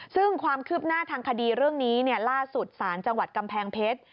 ซึ่งความคืบหน้าทางคดีเรื่องนี้ล่าสุดสารจังหวัดกำแพงเพชร